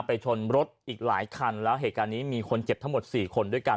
ชนรถอีกหลายคันแล้วเหตุการณ์นี้มีคนเจ็บทั้งหมดสี่คนด้วยกัน